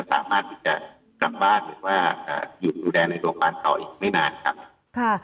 ก็จะสามารถกัดรับเมืองหรือว่าอยู่อยู่ดูแลในโรงพยาบาลเขาอีกไม่นานคุณหมอ